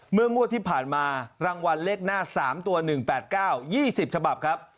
งวดที่ผ่านมารางวัลเลขหน้า๓ตัว๑๘๙๒๐ฉบับครับ